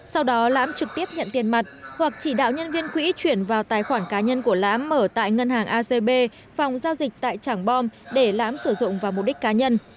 sau đó lãm trực tiếp nhận tiền mặt hoặc chỉ đạo nhân viên quỹ chuyển vào tài khoản cá nhân của lãm mở tại ngân hàng acb phòng giao dịch tại trảng bom để lãm sử dụng vào mục đích cá nhân